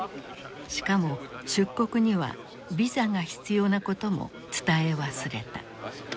しかも出国にはビザが必要なことも伝え忘れた。